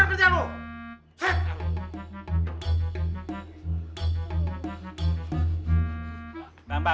biar gue dari kerja lo